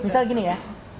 misal gini ya